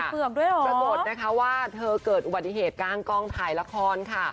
ปรากฏว่าเธอเกิดอุบัติเหตุกล้างกล้องถ่ายละครค่ะ